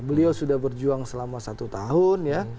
beliau sudah berjuang selama satu tahun ya